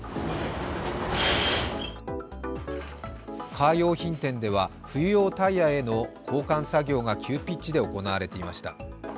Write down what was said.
カー用品店では冬用タイヤへの交換作業が急ピッチで行われていました。